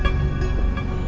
tidak ada yang bisa dikira